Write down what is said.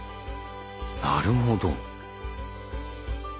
なるほど。